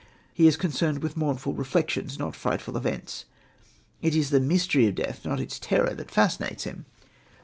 He is concerned with mournful reflections, not frightful events. It is the mystery of death, not its terror, that fascinates him.